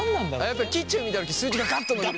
やっぱりキッチンを見た時数字がガッと伸びるという。